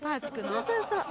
そうそうそう。